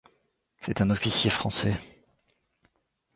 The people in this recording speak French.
C'est un officier français.